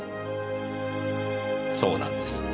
そうなんです。